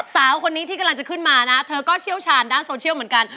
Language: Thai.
สาวคนนี้ที่กำลังจะขึ้นมานะเธอก็เชี่ยวชาญด้านโซเชียลเหมือนกัน